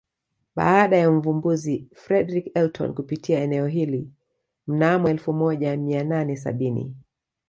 Baada ya Mvumbuzi Fredrick Elton kupita eneo hili mnamo elfu moja mia nane sabini